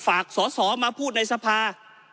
ฝากสอสอมาพูดในสภา